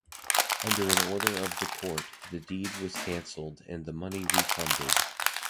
Under an order of the court the deed was cancelled and the money refunded.